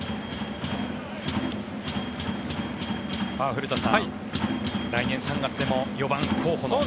古田さん、来年３月でも４番の候補の。